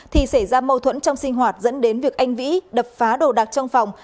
thì xảy ra mâu thuẫn trong sinh hoạt dẫn đến việc anh vĩ đập phá đồ đạc trong phòng